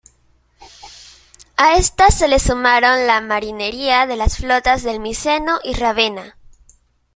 A estas se les sumaron la marinería de las flotas del "Miseno" y "Rávena".